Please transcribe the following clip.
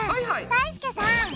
だいすけさん。